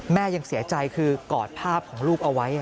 ยังเสียใจคือกอดภาพของลูกเอาไว้